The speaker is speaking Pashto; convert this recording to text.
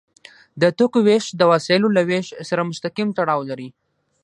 د توکو ویش د وسایلو له ویش سره مستقیم تړاو لري.